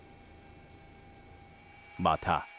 また。